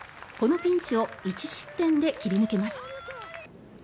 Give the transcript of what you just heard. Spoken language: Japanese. このピンチを１失点で切り抜けます。